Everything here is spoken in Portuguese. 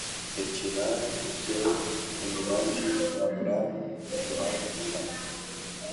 revirar, reter, umidade, lavram, empurrar, puxar